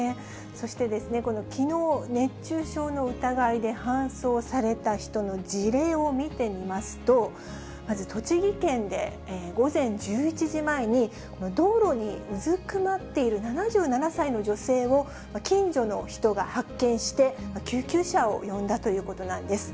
そしてですね、きのう、熱中症の疑いで搬送された人の事例を見てみますと、まず栃木県で、午前１１時前に、道路にうずくまっている７７歳の女性を近所の人が発見して、救急車を呼んだということなんです。